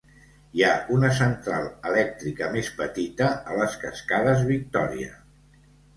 Hi ha una central elèctrica més petita a les cascades Victòria.